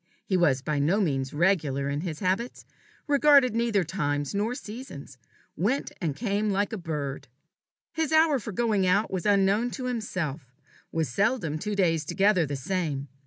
He was by no means regular in his habits regarded neither times nor seasons went and came like a bird. His hour for going out was unknown to himself, was seldom two days together the same.